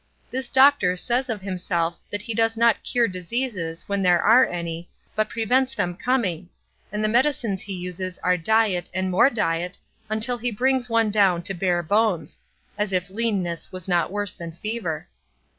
This doctor says of himself that he does not cure diseases when there are any, but prevents them coming, and the medicines he uses are diet and more diet until he brings one down to bare bones; as if leanness was not worse than fever.